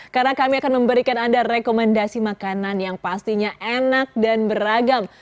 karena kami akan memberikan anda rekomendasi makanan yang pastinya enak dan beragam